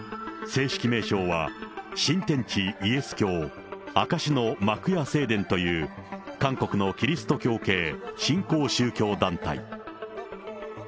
正式名称は、新天地イエス教証の幕屋正殿という、韓国のキリスト教系新興宗教団体。